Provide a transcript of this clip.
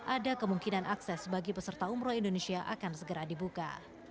ada kemungkinan akses bagi peserta umroh indonesia akan segera dibuka